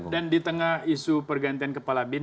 dan di tengah isu pergantian kepala bin